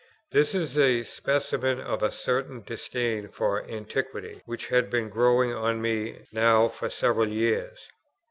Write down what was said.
This is a specimen of a certain disdain for Antiquity which had been growing on me now for several years.